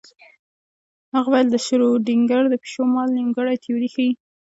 هغه ویل د شرودینګر د پیشو مثال نیمګړې تیوري ښيي.